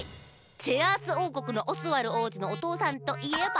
チェアースおうこくのオスワルおうじのおとうさんといえば？